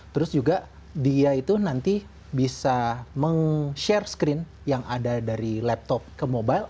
terus juga dia itu nanti bisa meng share screen yang ada dari laptop ke mobile